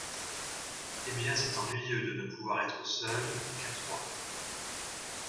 Eh bien, c’est ennuyeux de ne pouvoir être seuls… qu’à trois !…